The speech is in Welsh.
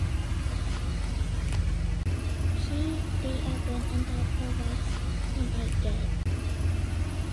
Ci du a gwyn yn dal pêl fas yn ei geg.